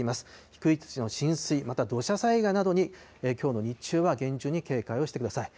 低い土地の浸水、また土砂災害などにきょうの日中は厳重に警戒してください。